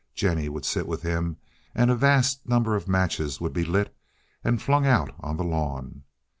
Jennie would sit with him, and a vast number of matches would be lit and flung out on the lawn.